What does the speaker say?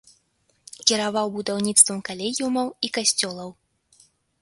Кіраваў будаўніцтвам калегіумаў і касцёлаў.